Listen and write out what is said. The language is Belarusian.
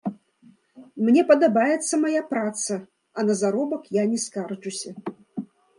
Мне падабаецца мая праца, а на заробак я не скарджуся.